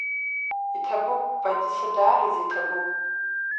Иҭабуп, Батиса даараӡа иҭабуп!